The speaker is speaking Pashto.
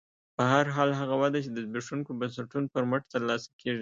په هر حال هغه وده چې د زبېښونکو بنسټونو پر مټ ترلاسه کېږي